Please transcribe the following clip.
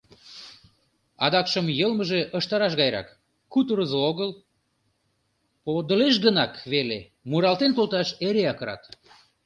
Адакшым йылмыже ыштыраш гайрак — кутырызо огыл, подылеш гынак веле муралтен колташ эреак рат.